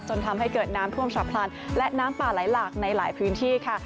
ทำให้เกิดน้ำท่วมฉับพลันและน้ำป่าไหลหลากในหลายพื้นที่ค่ะ